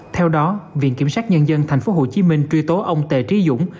theo đó viện kiểm sát nhân dân tp hcm truy tố ông tề trí dũng